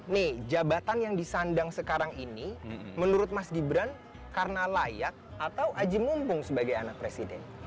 nih jabatan yang disandang sekarang ini menurut mas gibran karena layak atau aji mumpung sebagai anak presiden